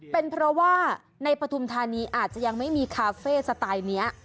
เป็นเพราะว่าในปฐุมธานีอาจจะยังไม่มีคาเฟ่สไตล์นี้